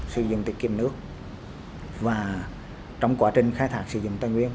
sử dụng tiết kiệm nước và trong quá trình khai thác sử dụng tài nguyên